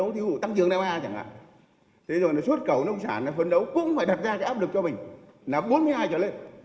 thế rồi là xuất cầu nông sản phấn đấu cũng phải đặt ra cái áp lực cho mình là bốn mươi hai trở lên